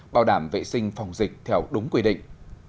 bảo đảm vệ sinh phòng dịch theo đúng quy định